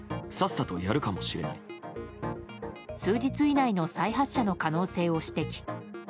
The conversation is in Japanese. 数日以内の再発射の可能性を指摘。